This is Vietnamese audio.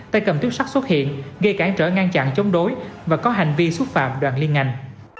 tay cầm tuyếp sắt xuất hiện gây cản trở ngăn chặn chống đối và có hành vi xúc phạm đoàn liên ngành